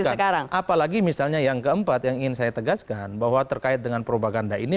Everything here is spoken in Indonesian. bukan apalagi misalnya yang keempat yang ingin saya tegaskan bahwa terkait dengan propaganda ini